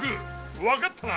わかったな。